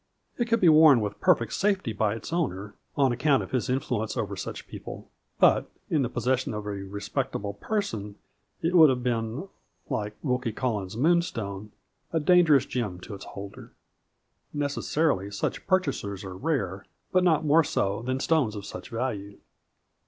It could be worn with perfect safety by its owner, on account of his influence over such people, but in the possession of a respectable person it would have been, like Wilkie Collins's Moonstone , a dangerous gem to its holder. Necessarily such purchasers are rare, but not more so than stones of such value.